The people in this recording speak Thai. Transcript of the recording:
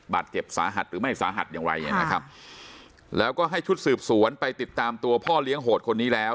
บาดเจ็บสาหัสหรือไม่สาหัสอย่างไรนะครับแล้วก็ให้ชุดสืบสวนไปติดตามตัวพ่อเลี้ยงโหดคนนี้แล้ว